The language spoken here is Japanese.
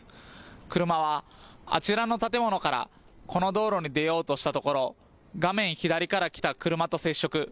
車は、あちらの建物からこの道路に出ようとしたところ画面左から来た車と接触。